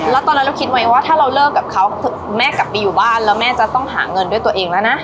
แล้วตอนนั้นเราคิดไว้ว่าถ้าเราเลิกกับเขาแม่กลับไปอยู่บ้านแล้วแม่จะต้องหาเงินด้วยตัวเองแล้วนะ